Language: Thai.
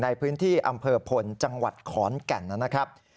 ในพื้นที่อำเภอพลจังหวัดขอนแก่นนะครับ